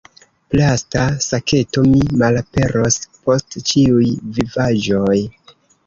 Plasta saketo: "Mi malaperos post ĉiuj vivaĵoj!"